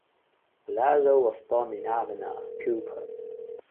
Collazo was born in Havana, Cuba.